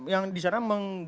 yang di sana